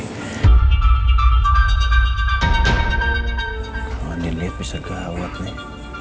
kau andi liat bisa gawat nih